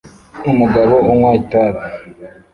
Umugabo unywa itabi